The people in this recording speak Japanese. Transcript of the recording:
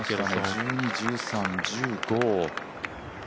１２、１３、１５。